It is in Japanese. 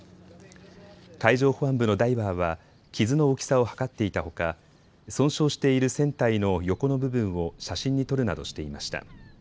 海上保安部のダイバーは傷の大きさを測っていたほか損傷している船体の横の部分を写真に撮るなどしていました。